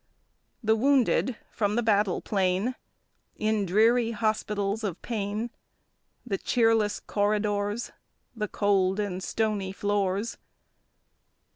The wounded from the battle plain In dreary hospitals of pain, The cheerless corridors, The cold and stony floors.